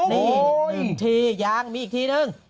นี่๑ทียังมีอีกทีนึง